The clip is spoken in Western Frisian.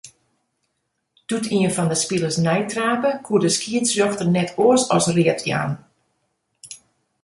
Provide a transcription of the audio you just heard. Doe't ien fan 'e spilers neitrape, koe de skiedsrjochter net oars as read jaan.